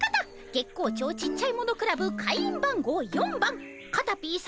月光町ちっちゃいものクラブ会員番号４番カタピーさま